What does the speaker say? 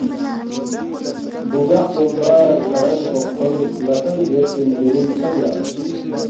بگخ ، دومبہ، ژھرنگ ، کھوقکھول سنہ ژھنگ بجد پن دیرینگ ژھن لا